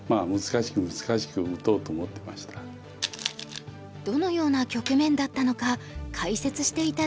どのような局面だったのか解説して頂いた。